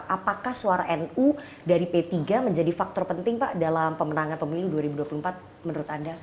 apakah suara nu dari p tiga menjadi faktor penting pak dalam pemenangan pemilu dua ribu dua puluh empat menurut anda